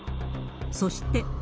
そして。